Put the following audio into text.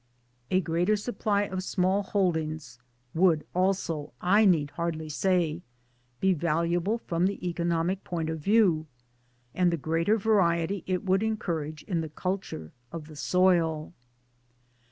A greater supply of small holdings would also, I need hardly say, be valuable from the economic point of view, and the greater variety it would encourage in the culture of the soil.